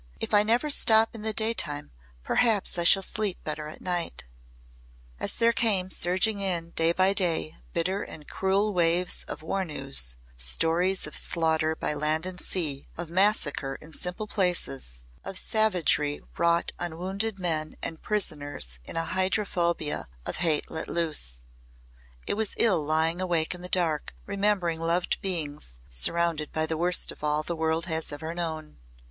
If I never stop in the day time perhaps I shall sleep better at night." As there came surging in day by day bitter and cruel waves of war news stories of slaughter by land and sea, of massacre in simple places, of savagery wrought on wounded men and prisoners in a hydrophobia of hate let loose, it was ill lying awake in the dark remembering loved beings surrounded by the worst of all the world has ever known.